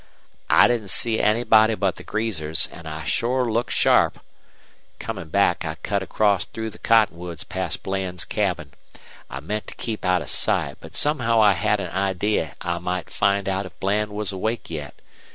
"I didn't see anybody but the greasers, an' I sure looked sharp. Comin' back I cut across through the cottonwoods past Bland's cabin. I meant to keep out of sight, but somehow I had an idee I might find out if Bland was awake yet.